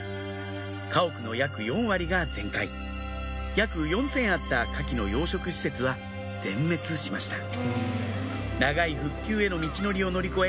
家屋の約４割が全壊約４０００あったカキの養殖施設は全滅しました長い復旧への道のりを乗り越え